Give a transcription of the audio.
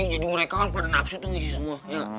jadi mereka kan pada nafsu tuh ngisi semua